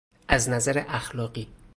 از نظر اخلاقی